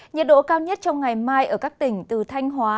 nhiệt độ cao nhất trong ngày mai ở các tỉnh từ thanh hóa